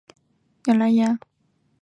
你来了啊